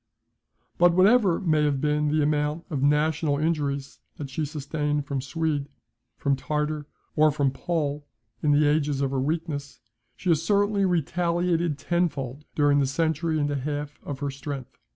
But whatever may have been the amount of national injuries that she sustained from Swede, from Tartar, or from Pole in the ages of her weakness, she has certainly retaliated ten fold during the century and a half of her strength.